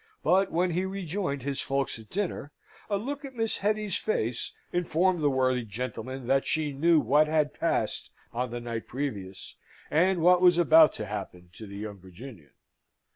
But when he rejoined his folks at dinner, a look at Miss Hetty's face informed the worthy gentleman that she knew what had passed on the night previous, and what was about to happen to the young Virginian.